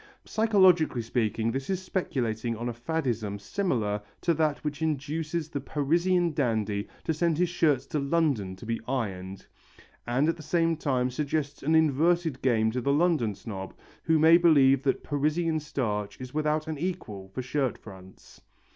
Psychologically speaking this is speculating on a faddism similar to that which induces the Parisian dandy to send his shirts to London to be ironed, and at the same time suggests an inverted game to the London snob who may believe that Parisian starch is without an equal for shirt fronts.